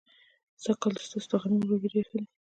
سږ کال ستاسو د غنمو وږي ډېر ښه دي.